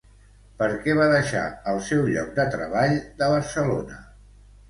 Per què va deixar el seu lloc de treball de Barcelona?